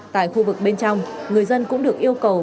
tại khu vực bên trong người dân cũng được yêu cầu